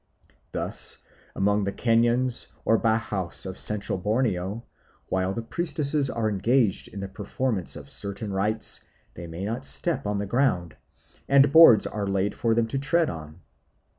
Thus among the Kayans or Bahaus of Central Borneo, while the priestesses are engaged in the performance of certain rites they may not step on the ground, and boards are laid for them to tread on.